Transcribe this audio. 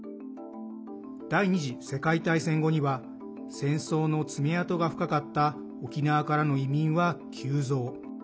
第２次世界大戦後には戦争の爪痕が深かった沖縄からの移民は急増。